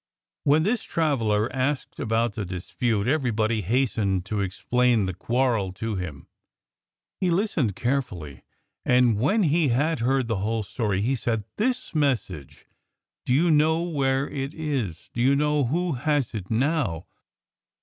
When this traveller asked about the dispute, everybody hastened to explain the quarrel to him. He listened carefully, and when he had heard the whole story he said: "This message do you know where it is? Do you know who has it now?"